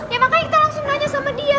ya makanya kita langsung nanya sama dia